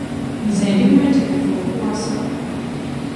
Nze ndi mwetegefu okuwasa.